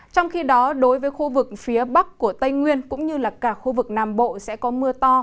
trong khi đó đối với khu vực phía bắc của tây nguyên cũng như là cả khu vực nam bộ sẽ có mưa to